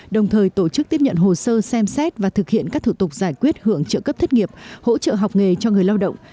đồng thời tổ chức tiếp nhận hồ sơ xem xét và thực hiện các thủ tục giải quyết hưởng trợ cấp thất nghiệp hỗ trợ học nghề cho người lao động